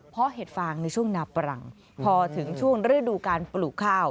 เพราะเห็ดฟางในช่วงนาปรังพอถึงช่วงฤดูการปลูกข้าว